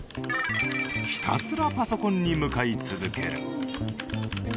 ひたすらパソコンに向かい続ける。